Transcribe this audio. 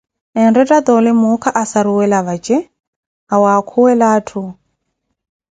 Enretta toole muuka asaruwela vaje, awaakuwa atthu.